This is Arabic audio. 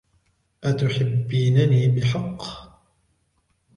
أتحبينني بحق ؟